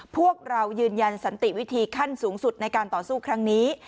พวกเรายืนยันสันติวิธีขั้นสูงสุดในการต่อสู้ครั้งนี้